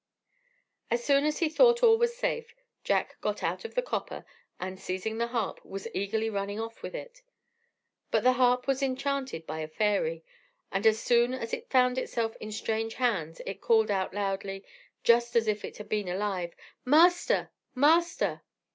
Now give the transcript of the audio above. As soon as he thought all was safe, Jack got out of the copper, and seizing the harp, was eagerly running off with it. But the harp was enchanted by a fairy, and as soon as it found itself in strange hands, it called out loudly, just as if it had been alive, "Master! Master!"